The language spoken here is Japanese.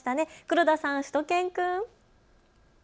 黒田さん、しゅと犬くん。